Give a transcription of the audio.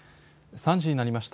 ３時になりました。